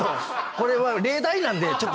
これは例題なんで。